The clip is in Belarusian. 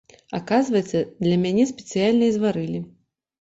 Аказваецца, для мяне спецыяльна і зварылі.